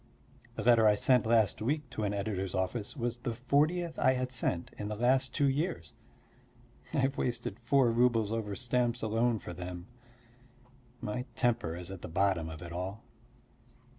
The letter I sent last week to an editor's office was the fortieth I had sent in the last two years. I have wasted four roubles over stamps alone for them. My temper is at the bottom of it all.